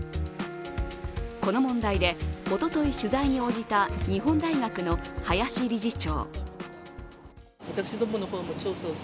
この問題で、おととい取材に応じた日本大学の林理事長